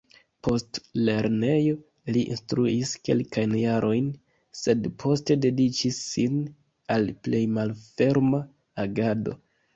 Post lernejo, li instruis kelkajn jarojn, sed poste dediĉis sin al plej malferma agado.